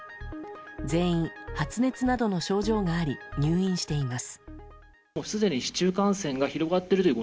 全員、発熱などの症状があり入院しています。